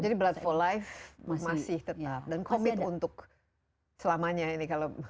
jadi blood for life masih tetap dan komit untuk selamanya ini kalau